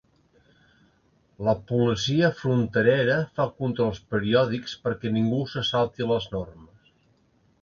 La policia fronterera fa controls periòdics perquè ningú se salti les normes.